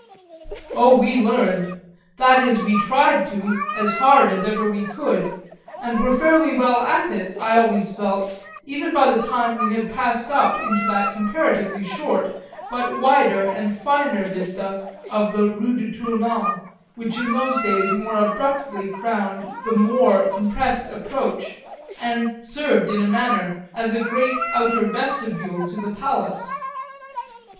Oh we learned, that is we tried to, as hard as ever we could, and were fairly well at it, I always felt, even by the time we had passed up into that comparatively short but wider and finer vista of the Rue de Tournon, which in those days more abruptly crowned the more compressed approach and served in a manner as a great outer vestibule to the Palace.